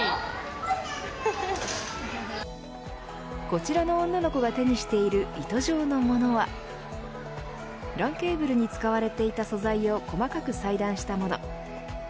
こちらの女の子が手にしている糸状のものはＬＡＮケーブルに使われていた素材を細かく裁断したもの。